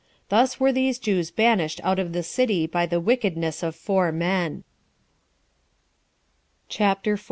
11 Thus were these Jews banished out of the city by the wickedness of four men. CHAPTER 4.